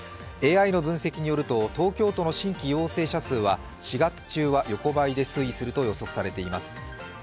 ＡＩの分析によると東京都の新規陽性者数は４月中は横ばいで推移すると予測されています。